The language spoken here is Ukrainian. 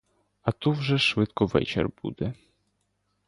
А ту вже швидко вечір буде.